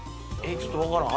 ちょっと分からん。